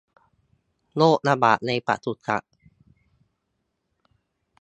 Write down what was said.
โรคระบาดในปศุสัตว์